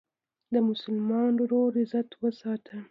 د مسلمان ورور عزت وساته.